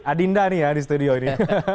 adinda nih ya di studio ini